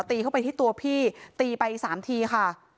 ตีเข้าไปที่ตัวพี่ตีไปสามทีค่ะ